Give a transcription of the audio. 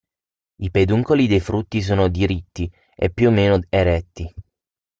I peduncoli dei frutti sono diritti e più o meno eretti.